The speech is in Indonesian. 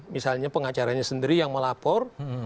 misalnya pengacaranya sendiri yang melapor